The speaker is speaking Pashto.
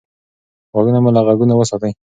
غوږونه مو له غږونو وساتئ.